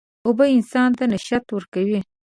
اوبه انسان ته نشاط ورکوي.